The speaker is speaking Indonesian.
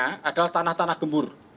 di atasnya adalah tanah tanah gembur